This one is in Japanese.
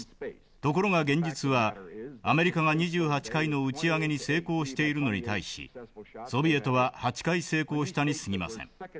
ところが現実はアメリカが２８回の打ち上げに成功しているのに対しソビエトは８回成功したにすぎません。